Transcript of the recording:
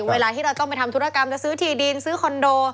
เวลาที่เราต้องไปทำธุรกรรมจะซื้อที่ดินซื้อคอนโด